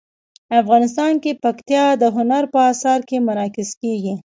افغانستان کې پکتیا د هنر په اثار کې منعکس کېږي.